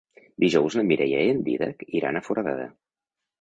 Dijous na Mireia i en Dídac iran a Foradada.